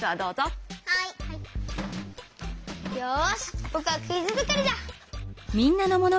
ぼくはクイズづくりだ！